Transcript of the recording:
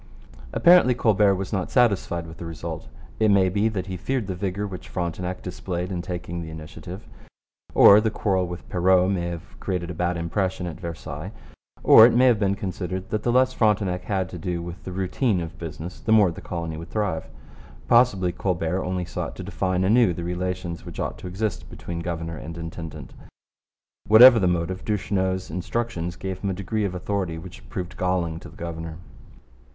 Apparently Colbert was not satisfied with the result. It may be that he feared the vigour which Frontenac displayed in taking the initiative; or the quarrel with Perrot may have created a bad impression at Versailles; or it may have been considered that the less Frontenac had to do with the routine of business, the more the colony would thrive. Possibly Colbert only sought to define anew the relations which ought to exist between governor and intendant. Whatever the motive, Duchesneau's instructions gave him a degree of authority which proved galling to the governor.